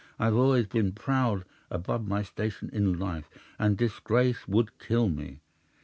I've always been proud above my station in life, and disgrace would kill me.